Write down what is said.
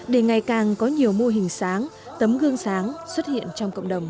để ngày càng có nhiều mô hình sáng tấm gương sáng xuất hiện trong cộng đồng